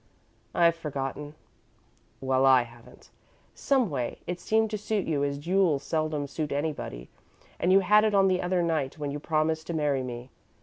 "I've forgotten." "Well, I haven't. Someway, it seemed to suit you as jewels seldom suit anybody, and you had it on the other night when you promised to marry me.